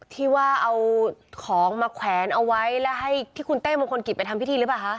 ที่ว่าเอาของมาแขวนเอาไว้แล้วให้ที่คุณเต้มงคลกิจไปทำพิธีหรือเปล่าคะ